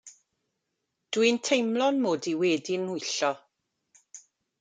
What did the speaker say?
Dw i'n teimlo 'mod i wedi'n nhwyllo.